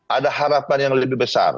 ada harapan yang lebih besar